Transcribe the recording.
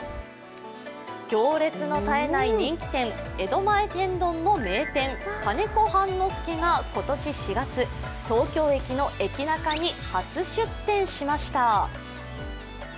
行列の絶えない人気店、江戸前天丼の名店、金子半之助が今年４月、東京駅のエキナカに初出店しました。